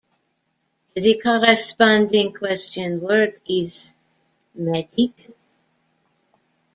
The corresponding question word is Meddig?